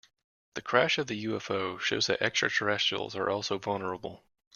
The crash of the UFO shows that extraterrestrials are also vulnerable.